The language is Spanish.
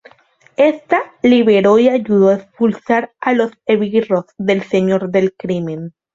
Ésta le liberó y ayudó a expulsar a los esbirros del señor del crimen.